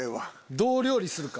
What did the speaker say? どう料理するか。